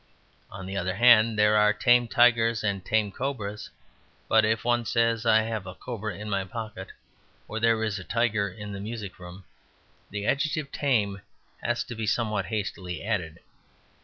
On the other hand, there are tame tigers and tame cobras, but if one says, "I have a cobra in my pocket," or "There is a tiger in the music room," the adjective "tame" has to be somewhat hastily added.